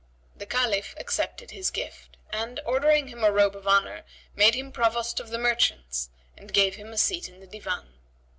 The Caliph accepted his gift and, ordering him a robe of honour, made him Provost of the merchants and gave him a seat in the Divan.